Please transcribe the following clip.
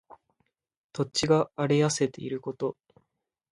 土地が荒れ痩せていること。